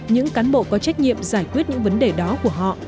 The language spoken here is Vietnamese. những cán bộ có trách nhiệm giải quyết những vấn đề đó của họ